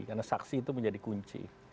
karena saksi itu menjadi kunci